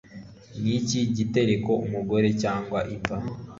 Niki gitereko umugore cyangwa imva